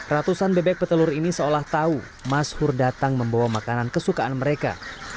ratusan bebek petelur ini seolah tahu mas hur datang membawa makanan kesukaan mereka